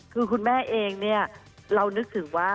คือคุณแม่เองเนี่ยเรานึกถึงว่า